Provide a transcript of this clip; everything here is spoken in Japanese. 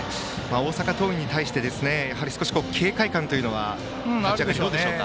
大阪桐蔭に対して少し警戒感というのはピッチャーとしてどうでしょうか。